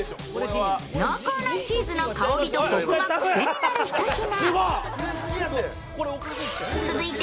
濃厚なチーズの香りとコクがクセになる一品。